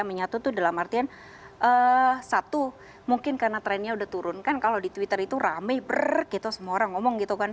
menyatu itu dalam artian satu mungkin karena trennya udah turun kan kalau di twitter itu rame ber gitu semua orang ngomong gitu kan